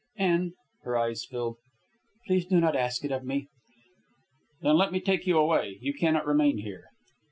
and ..." Her eyes filled. "Please do not ask it of me." "Then let me take you away. You cannot remain here."